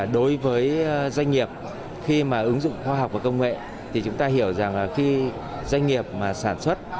đối với doanh nghiệp khi mà ứng dụng khoa học và công nghệ thì chúng ta hiểu rằng là khi doanh nghiệp mà sản xuất